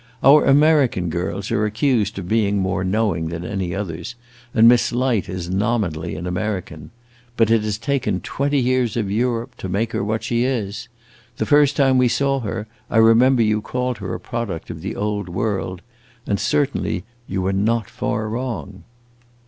Our American girls are accused of being more knowing than any others, and Miss Light is nominally an American. But it has taken twenty years of Europe to make her what she is. The first time we saw her, I remember you called her a product of the old world, and certainly you were not far wrong."